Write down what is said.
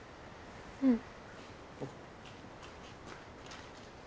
うん。